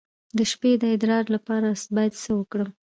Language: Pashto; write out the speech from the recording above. د شپې د ادرار لپاره باید څه وکړم؟